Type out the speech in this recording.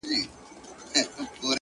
o اوښکي دې توی کړلې ډېوې، راته راوبهيدې،